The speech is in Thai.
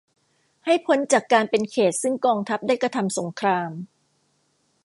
ให้พ้นจากการเป็นเขตต์ซึ่งกองทัพได้กระทำสงคราม